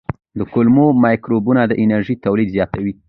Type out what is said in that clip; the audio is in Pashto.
د کولمو مایکروبونه د انرژۍ تولید زیاتوي.